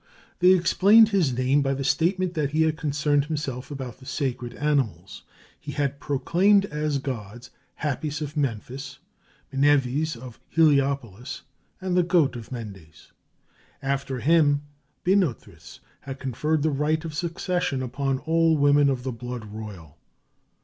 They explained his name by the statement that he had concerned himself about the sacred animals; he had proclaimed as gods, Hapis of Memphis, Mnevis of Heliopolis, and the goat of Mendes. After him, Binothris had conferred the right of succession upon all women of the blood royal.